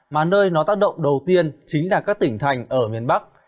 mà nơi nó tác động đầu tiên chính là các tỉnh thành ở miền bắc